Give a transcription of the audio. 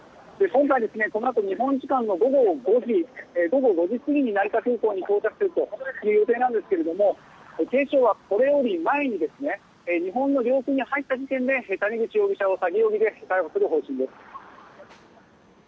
このあと日本時間の午後５時過ぎに成田空港に到着する予定ですが警視庁はこれより前に日本の領空に入った時点で谷口容疑者を詐欺容疑で逮捕する方針です。